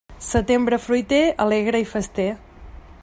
Setembre fruiter, alegre i fester.